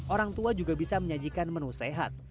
orang tua juga bisa menyajikan menu sehat